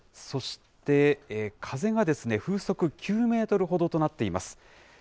そして、風がですね、風速９メートルほどとなっています。